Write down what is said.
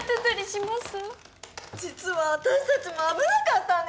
実は私たちも危なかったんです。